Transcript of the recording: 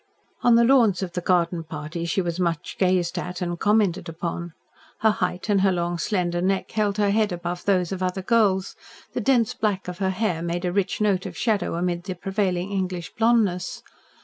On the lawns at the garden parties she was much gazed at and commented upon. Her height and her long slender neck held her head above those of other girls, the dense black of her hair made a rich note of shadow amid the prevailing English blondness.